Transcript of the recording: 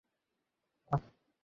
মার্জি নতুন নখ লাগিয়েছে।